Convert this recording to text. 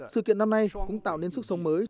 sự kiện năm nay cũng tạo nên sức sống mới